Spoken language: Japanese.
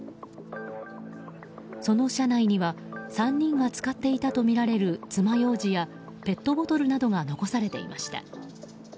その車内には３人が使っていたとみられるつまようじやペットボトルなどが残されていました。